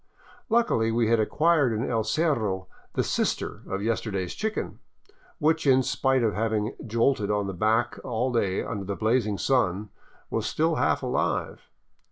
Luckily, we had acquired in El Cerro the " sister " of yesterday's chicken, which, in spite of having jolted on the pack all day under the blazing sun, was still half alive.